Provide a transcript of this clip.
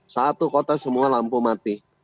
satu kota semua lampu mati